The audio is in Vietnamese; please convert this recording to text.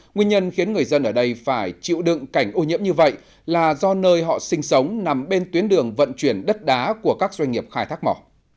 nguyên nhân khiến người dân ở đây phải chịu đựng cảnh ô nhiễm như vậy là do nơi họ sinh sống nằm bên tuyến đường vận chuyển đất đá của các doanh nghiệp khai thác mỏ